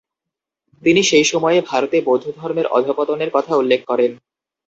তিনি সেই সময়ে ভারতে বৌদ্ধ ধর্মের অধঃপতনের কথা উল্লেখ করেন।